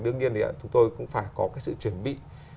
đương nhiên thì chúng tôi cũng phải có cái sự chuẩn bị